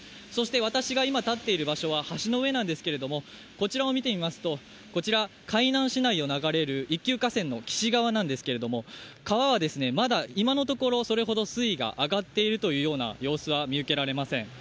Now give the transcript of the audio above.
私が今立っている場所は橋の上なんですけれどもこちらを見てみますと海南市を流れる、１級河川の貴志川なんですが川は今のところそれほど水位が上がっているという様子は見受けられません。